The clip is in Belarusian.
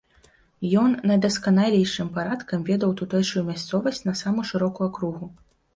Ён найдасканалейшым парадкам ведаў тутэйшую мясцовасць на самую шырокую акругу.